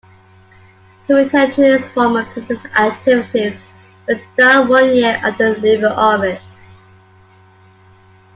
He returned to his former business activities, but died one year after leaving office.